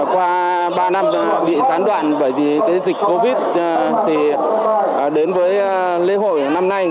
qua ba năm bị gián đoạn bởi vì dịch covid thì đến với lễ hội năm nay